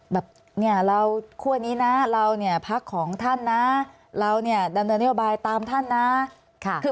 แบบเนี่ยเราคั่วนี้นะเราเนี่ยพักของท่านนะเราเนี่ยดำเนินนโยบายตามท่านนะ